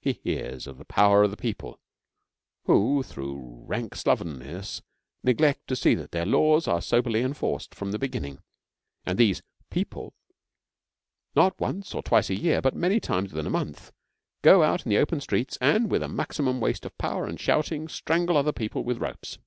He hears of the power of the People who, through rank slovenliness, neglect to see that their laws are soberly enforced from the beginning; and these People, not once or twice in a year, but many times within a month, go out in the open streets and, with a maximum waste of power and shouting, strangle other people with ropes.